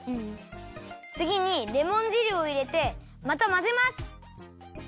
次にレモン汁をいれてまたまぜます！